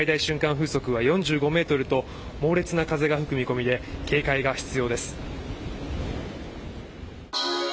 風速は４５メートルと猛烈な風が吹く見込みで警戒が必要です。